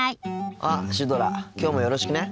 あっシュドラきょうもよろしくね。